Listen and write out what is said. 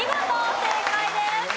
正解です。